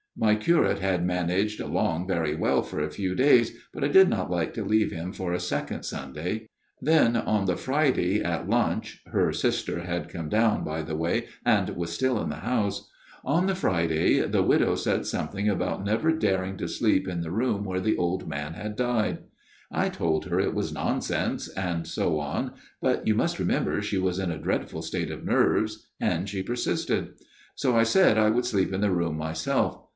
My curate had managed along very well for a few days ; but I did not like to leave him for a second Sunday. " Then on the Friday at lunch her sister had come down, by the way, and was still in the house on the Friday the widow said something about never daring to sleep in the room where the old man had died. I told her it was nonsense, and so on ; but you must remember she was in a dreadful state of nerves, and she persisted. So I said I would sleep in the room myself.